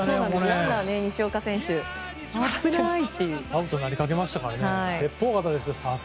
アウトになりかけましたからね。